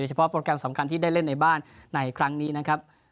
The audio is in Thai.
เฉพาะโปรแกรมสำคัญที่ได้เล่นในบ้านในครั้งนี้นะครับ